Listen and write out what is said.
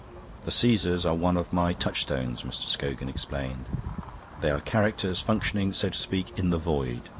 The Caesars are one of my touchstones," Mr. Scogan explained. "They are characters functioning, so to speak, in the void.